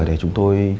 để chúng tôi